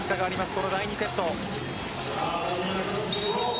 この第２セット。